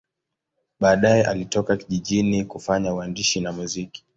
Baadaye alitoka jijini kufanya uandishi na muziki.